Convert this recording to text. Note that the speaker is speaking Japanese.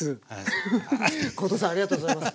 フフッ後藤さんありがとうございます。